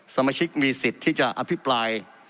สมาชิกมีสิทธิ์ที่จะอภิปราย